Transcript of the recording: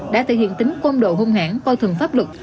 đã thể hiện tính công độ hung hãng coi thường pháp luật